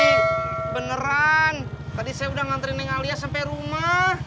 pak haji beneran tadi saya udah ngantri neng alia sampe rumah